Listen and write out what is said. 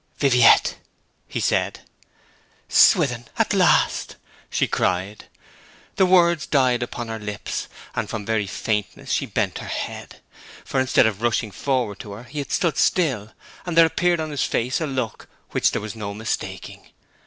'Viviette!' he said. 'Swithin! at last!' she cried. The words died upon her lips, and from very faintness she bent her head. For instead of rushing forward to her he had stood still; and there appeared upon his face a look which there was no mistaking.